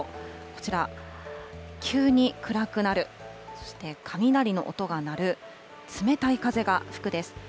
こちら、急に暗くなる、そして雷の音が鳴る、冷たい風が吹くです。